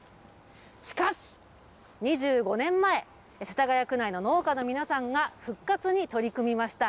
しかし２５年前、世田谷区の農家の皆さんが、復活に取り組みました。